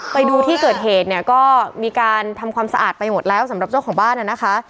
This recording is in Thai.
ไปดูที่เกิดเหตุเนี่ยก็มีการทำความสะอาดไปหมดแล้วสำหรับเจ้าของบ้านนะคะ